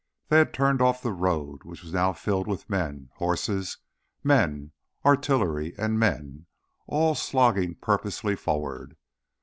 They had turned off the road, which was now filled with men, horses, men, artillery, and men, all slogging purposefully forward.